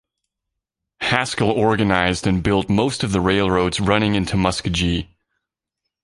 Haskell organized and built most of the railroads running into Muskogee.